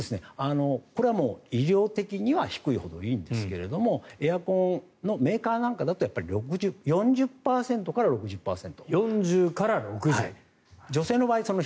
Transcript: これは医療的には低いほどいいんですけどエアコンのメーカーなんかだと４０％から６０％。